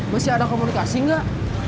masih ada komunikasi gak